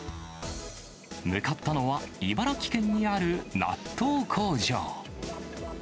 向かったのは、茨城県にある納豆工場。